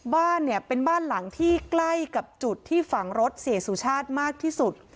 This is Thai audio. บ้านเนี่ยเป็นบ้านหลังที่ใกล้กับจุดที่ฝังรถเสียสุชาติมากที่สุด